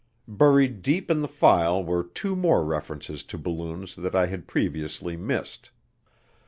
Buried deep in the file were two more references to balloons that I had previously missed.